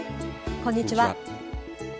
こんにちは。